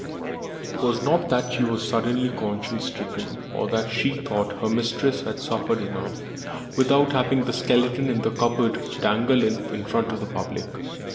It was not that she was suddenly conscience stricken, or that she thought her mistress had suffered enough without having the skeleton in the cupboard dangled in front of the public.